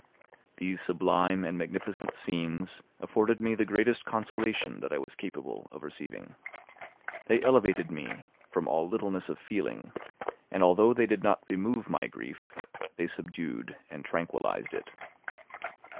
These sublime and magnificent scenes afforded me the greatest consolation that I was capable of receiving. They elevated me from all littleness of feeling, and although they did not remove my grief, they subdued and tranquillised it.